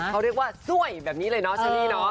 เขาเรียกว่าสวยแบบนี้เลยเนาะเชอรี่เนาะ